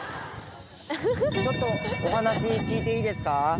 ちょっとお話聞いていいですか？